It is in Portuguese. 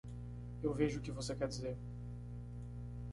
Eu vejo o que você quer dizer.